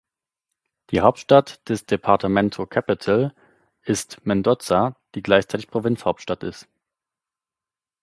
Die Hauptstadt des Departamento Capital ist Mendoza, die gleichzeitig Provinzhauptstadt ist.